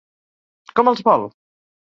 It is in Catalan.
Com els vol?